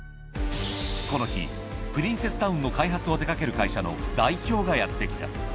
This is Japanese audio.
この日、プリンセスタウンの開発を手がける会社の代表がやって来た。